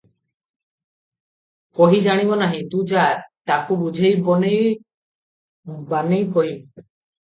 କହି ଜାଣିବ ନାହିଁ, ତୁ ଯା, ତାଙ୍କୁ ବୁଝେଇ ବନେଇ ବାନେଇ କହିବୁ ।"